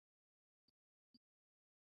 যা কাজে লেগে পড়।